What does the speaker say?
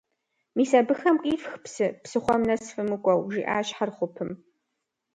«Мис абыхэм къифх псы, псыхъуэм нэс фымыкӀуэу», - жиӀащ Хьэрхъупым.